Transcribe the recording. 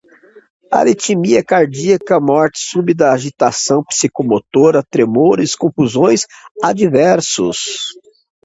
arritmia cardíaca, morte súbita, agitação psicomotora, tremores, convulsões, adversos